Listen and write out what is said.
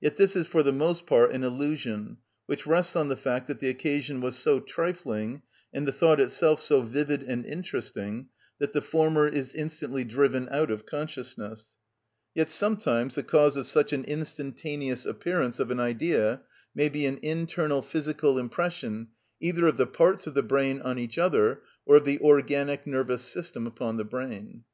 Yet this is for the most part an illusion, which rests on the fact that the occasion was so trifling and the thought itself so vivid and interesting, that the former is instantly driven out of consciousness. Yet sometimes the cause of such an instantaneous appearance of an idea may be an internal physical impression either of the parts of the brain on each other or of the organic nervous system upon the brain.